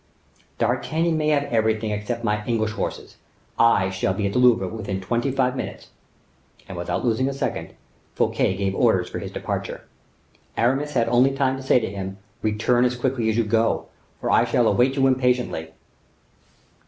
"D'Artagnan may have everything except my English horses. I shall be at the Louvre in twenty five minutes." And, without losing a second, Fouquet gave orders for his departure. Aramis had only time to say to him, "Return as quickly as you go; for I shall await you impatiently."